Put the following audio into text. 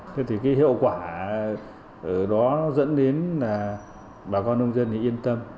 thế thì cái hiệu quả ở đó dẫn đến là bà con nông dân thì yên tâm